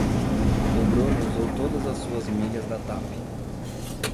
O Bruno usou todas as suas milhas da Tap.